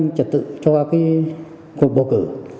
ảnh hưởng tới quá trình bầu cử